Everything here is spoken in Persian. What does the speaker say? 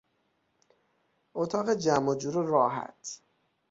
اتاق جمع و جور و راحت